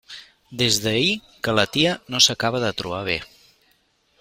Des d'ahir que la tia no s'acaba de trobar bé.